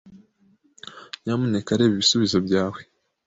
Nyamuneka reba ibisubizo byawe.